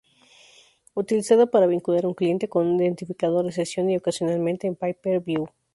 Utilizado para vincular un cliente con un identificador de sesión y ocasionalmente en pay-per-view.